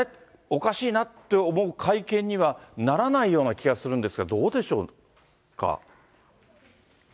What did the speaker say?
おかしいなって思う会見にはならないような気がするんですが、どうでしょうか。